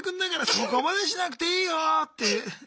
そこまでしなくていいよって。